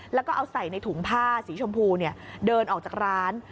แล้วก็เอาใส่ในถุงผ้าสีชมพูเดินออกจากร้าน